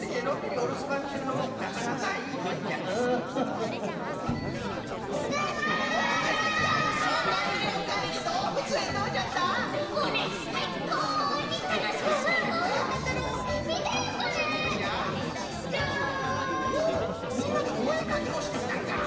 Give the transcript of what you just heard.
おおみんなでおえかきもしてきたんか。